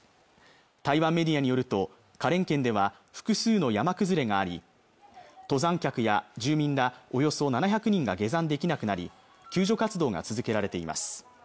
台湾メディアによると花蓮県では複数の山崩れがあり登山客や住民らおよそ７００人が下山できなくなり救助活動が続けられています